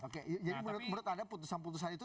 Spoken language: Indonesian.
oke jadi menurut anda putusan putusan itu